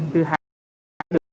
từ hà nội đến hà nội